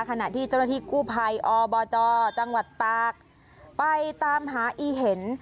ขณะที่เจ้าหน้าที่กู้ภัยอบจจังหวัดตากไปตามหาอีเห็น